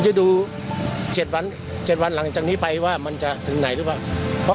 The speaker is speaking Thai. จะดู๗วันหลังจากนี้ไปว่ามันจะถึงไหนหรือเปล่า